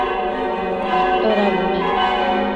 atoda bune?